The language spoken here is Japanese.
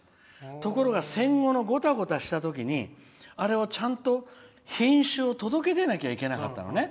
ところが戦後のごたごたしたときにあれをちゃんと品種を届け出なきゃいけなかったのね。